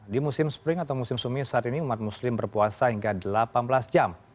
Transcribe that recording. di musim spring atau musim sumi saat ini umat muslim berpuasa hingga delapan belas jam